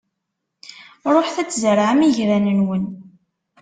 Ṛuḥet ad tzerɛem igran-nwen.